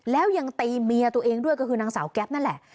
แล้วยังตีเมียตัวเองด้วยก็คือนางสาวแก๊ปนั่นแหละ